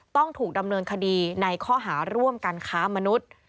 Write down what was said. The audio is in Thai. ต้องถูกดำเนินคดีในข้อหาร่วมกันค้ามนุษย์